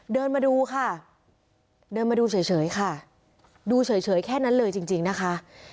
เดินมาดูค่ะเดินมาดูเฉยค่ะดูเฉยแค่นั้นเลยจริงนะคะ